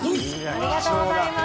ありがとうございます。